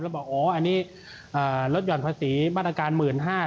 แล้วบอกพี่รถย่อนภาษีม้ายฤวันตาการไปหมื่นห้า